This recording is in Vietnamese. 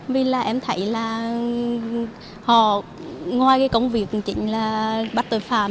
vì là em thấy là họ ngoài cái công việc chính là bắt tội phạm